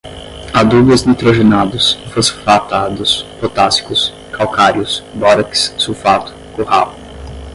adubos nitrogenados, fosfatados, potássicos, calcários, bórax, sulfato, curral